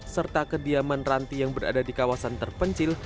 serta kediaman ranti yang berada di kawasan terpencil